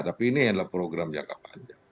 tapi ini adalah program jangka panjang